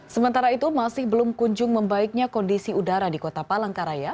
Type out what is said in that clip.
sementara itu masih belum kunjung membaiknya kondisi udara di kota palangkaraya